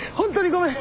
ごめん。